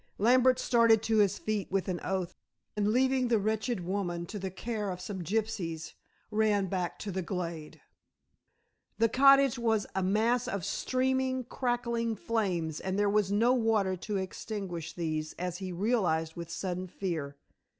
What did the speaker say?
Lambert started to his feet with an oath, and leaving the wretched woman to the care of some gypsies, ran back to the glade. The cottage was a mass of streaming, crackling flames, and there was no water to extinguish these, as he realized with sudden fear.